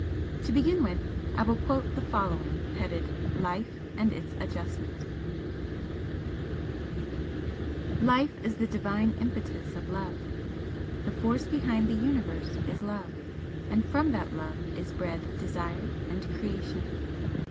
To begin with, I will quote the following, headed LIFE AND ITS ADJUSTMENT "Life is the Divine impetus of Love. The Force behind the Universe is Love and from that Love is bred Desire and Creation.